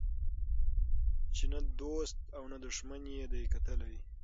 چي نه دو ست او نه دښمن یې دی کتلی